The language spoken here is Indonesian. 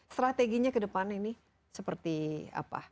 strateginya ke depan ini seperti apa